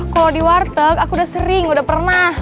kalau di warteg aku udah sering udah pernah